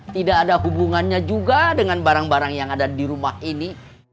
tidak ada hubungannya juga dengan barang barang yang ada di rumah ini